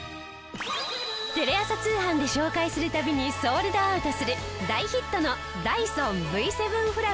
テレ朝通販で紹介する度にソールドアウトする大ヒットのダイソンＶ７フラフィ。